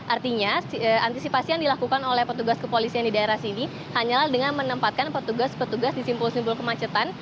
artinya antisipasi yang dilakukan oleh petugas kepolisian di daerah sini hanyalah dengan menempatkan petugas petugas di simpul simpul kemacetan